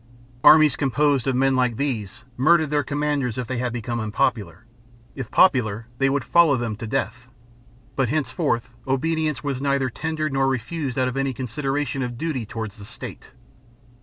Armies composed of men like these murdered their commandersif they had become unpopular; if popular, they would follow them to death, but, henceforth, obedience was neither rendered nor refused out of any consideration of duty towards the state.